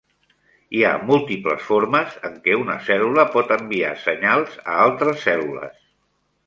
Hi ha múltiples formes en que una cèl·lula pot enviar senyals a altres cèl·lules.